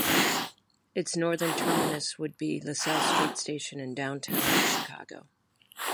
Its northern terminus would be LaSalle Street Station in downtown Chicago.